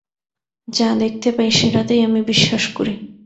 যা দেখতে পাই, সেটাতেই আমি বিশ্বাস করি।